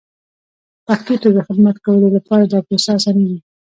پښتو ته د خدمت کولو لپاره دا پروسه اسانېږي.